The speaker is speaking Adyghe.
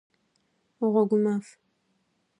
Гъогумаф!